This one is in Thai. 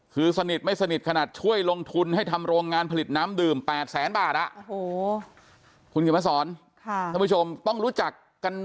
คือสนิทไม่สนิทขนาดช่วยลงทุนให้ทำโรงงานผลิตน้ำดื่ม๘แสนบาทคุณผู้ชมต้องรู้จักกัน